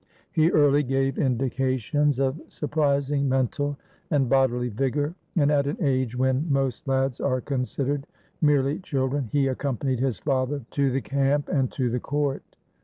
He early gave indications of sur prising mental and bodily vigor, and, at an age when most lads are considered merely children, he accompanied his father to the camp and to the court.